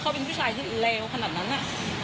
เขาเป็นผู้ชายที่เลวขนาดนั้นน่ะ